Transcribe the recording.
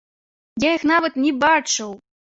Я іх нават не бачыў!